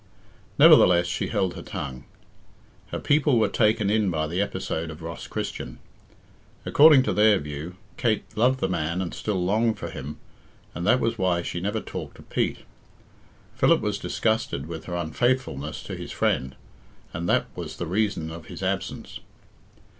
Nevertheless, she held her tongue. Her people were taken in by the episode of Ross Christian. According to their view, Kate loved the man and still longed for him, and that was why she never talked of Pete. Philip was disgusted with her unfaithfulness to his friend, and that was the reason of his absence.